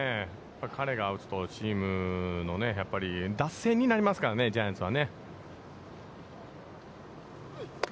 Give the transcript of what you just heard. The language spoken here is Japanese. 彼が打つとチームのやっぱり打線になりますからね、ジャイアンツは。